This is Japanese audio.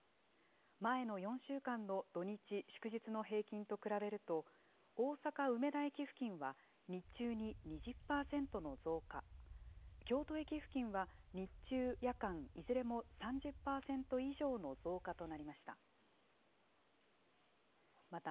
前の４週間の土日、祝日の平均と比べると、大阪・梅田駅付近は日中に２０％の増加、京都駅付近は日中、夜間いずれも３０％以上の増加となりました。